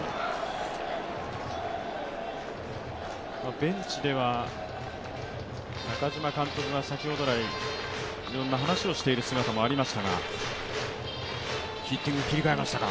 ベンチでは中嶋監督が先ほど来、いろんな話をしている姿もありましたが、ヒッティングに切り替えましたか。